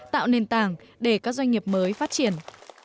tạo nền tảng để các doanh nghiệp mới phát triển